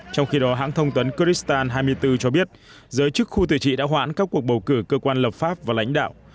trong khi đó hãng thông tấn kristan hai mươi bốn cho biết giới chức khu tự trị đã hoãn các cuộc bầu cử cơ quan lập pháp và lãnh đạo